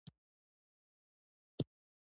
هغه د موټورولا چپس نومونو ته ځواب نه ورکوي